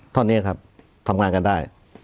เท่านี้ครับทำงานกันได้